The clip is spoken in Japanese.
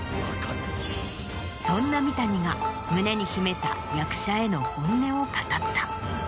そんな三谷が胸に秘めた役者への本音を語った。